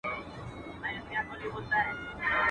څمڅه په ځان غره سوه، چي په دې اوگره سړه سوه.